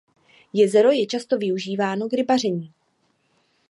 Jezero je často využíváno k rybaření.